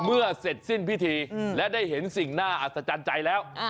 เมื่อเสร็จสิ้นพิธีและได้เห็นสิ่งน่าอัศจรรย์ใจแล้ว